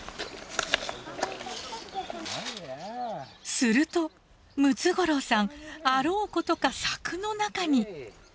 すると、ムツゴロウさんあろうことか柵の中に。